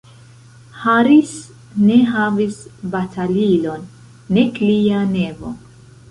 Harris ne havis batalilon, nek lia nevo.